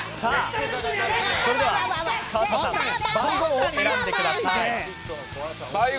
それでは川島さん、番号を選んでください。